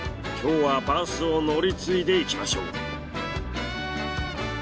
今日はバスを乗り継いでいきましょう。